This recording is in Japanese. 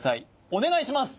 お願いします